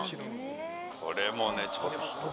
これもねちょっと。